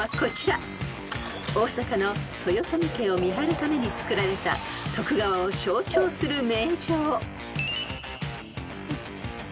［大坂の豊臣家を見張るために造られた徳川を象徴する名城］